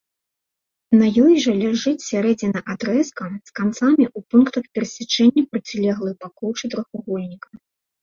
На ёй жа ляжыць сярэдзіна адрэзка з канцамі ў пунктах перасячэння процілеглых бакоў чатырохвугольніка.